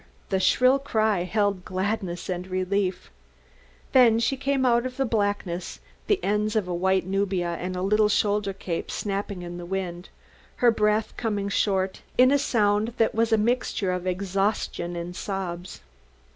The shrill cry held gladness and relief. Then she came out of the blackness, the ends of a white nubia and a little shoulder cape snapping in the wind, her breath coming short in a sound that was a mixture of exhaustion and sobs.